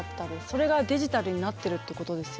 それがデジタルになってるってことですよね？